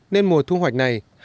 nên mùa thu hoạch này